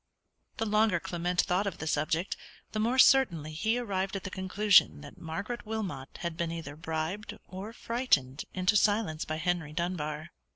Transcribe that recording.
The longer Clement thought of the subject, the more certainly he arrived at the conclusion that Margaret Wilmot had been, either bribed or frightened into silence by Henry Dunbar.